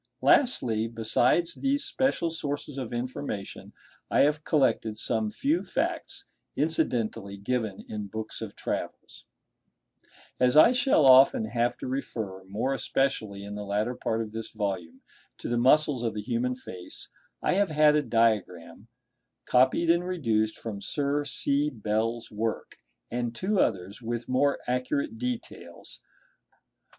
Lastly, besides these special sources of information, I have collected some few facts incidentally given in books of travels.—— Muscles of the Human Face. Fig 1 2 Muscles of the Human Face. Fig 3 As I shall often have to refer, more especially in the latter part of this volume, to the muscles of the human face, I have had a diagram (fig. 1) copied and reduced from Sir C. Bell's work, and two others, with more accurate details (figs.